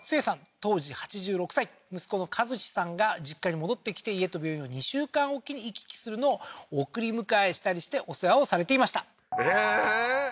当時８６歳息子の和司さんが実家に戻ってきて家と病院を２週間おきに行き来するのを送り迎えしたりしてお世話をされていましたええー？